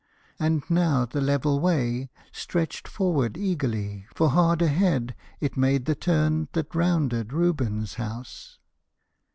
And now the level way Stretched forward eagerly, for hard ahead It made the turn that rounded Reuben's house.